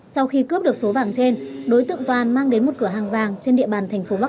sau khi cướp được số vàng trên đối tượng toàn mang đến một cửa hàng vàng trên địa bàn thành phố bắc